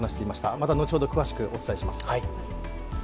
また後ほど詳しくお伝えします。